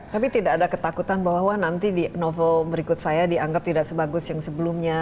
tapi tidak ada ketakutan bahwa nanti di novel berikut saya dianggap tidak sebagus yang sebelumnya